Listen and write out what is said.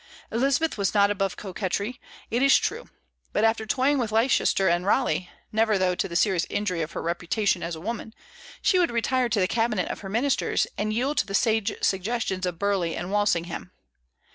Elizabeth was not above coquetry, it is true; but after toying with Leicester and Raleigh, never, though, to the serious injury of her reputation as a woman, she would retire to the cabinet of her ministers and yield to the sage suggestions of Burleigh and Walsingham.